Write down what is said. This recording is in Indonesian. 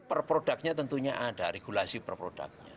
perproduknya tentunya ada regulasi perproduknya